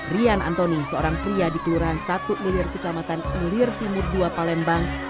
rian antoni seorang pria di kelurahan satu ngelir kecamatan ngelir timur dua palembang